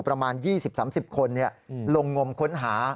ประมาณ๒๐๓๐คนลงงมค้นหา